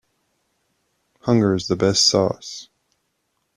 Hunger is the best sauce.